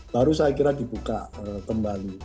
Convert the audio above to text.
baru saya kira dibuka kembali